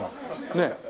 ねえ。